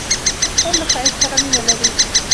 خور له ښایست سره مینه لري.